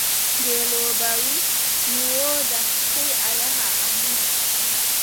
Ngeelooba wii : mi wooda, sey a yaha a munya.